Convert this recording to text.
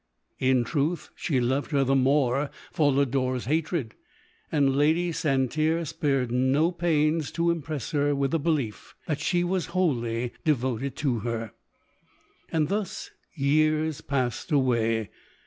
In truth, she loved her the more for Lodore's hatred, and Lady San terre spared no pains to impress her with the belief, that she was wholly devoted to her Thus years passed away.